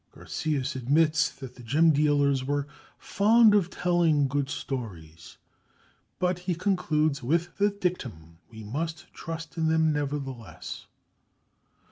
Garcias admits that the gem dealers were fond of telling good stories, but he concludes with the dictum, "we must trust in them nevertheless."